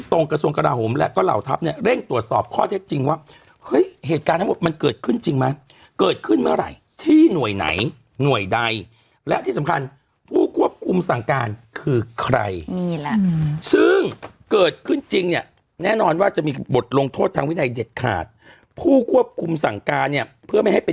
กระทรวงกราโหมและก็เหล่าทัพเนี่ยเร่งตรวจสอบข้อเท็จจริงว่าเฮ้ยเหตุการณ์ทั้งหมดมันเกิดขึ้นจริงไหมเกิดขึ้นเมื่อไหร่ที่หน่วยไหนหน่วยใดและที่สำคัญผู้ควบคุมสั่งการคือใครนี่แหละซึ่งเกิดขึ้นจริงเนี่ยแน่นอนว่าจะมีบทลงโทษทางวินัยเด็ดขาดผู้ควบคุมสั่งการเนี่ยเพื่อไม่ให้เป็น